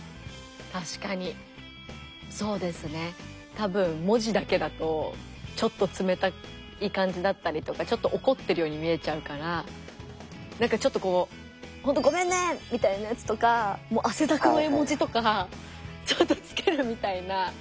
多分文字だけだとちょっと冷たい感じだったりとかちょっと怒ってるように見えちゃうからなんかちょっとこう「ほんとごめんね！」みたいなやつとか汗だくの絵文字とかちょっとつけるみたいな。